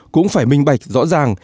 cũng phải minh bạch rõ ràng